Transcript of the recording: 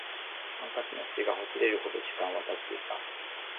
ハンカチの縁がほつれるほど時間は経っていた